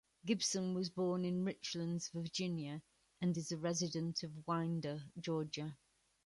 Gibson was born in Richlands, Virginia, and is a resident of Winder, Georgia.